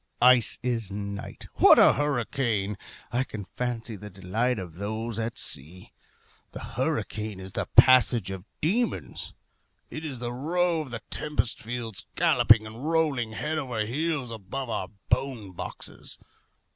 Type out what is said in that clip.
Ice is night. What a hurricane! I can fancy the delight of those at sea. The hurricane is the passage of demons. It is the row of the tempest fiends galloping and rolling head over heels above our bone boxes.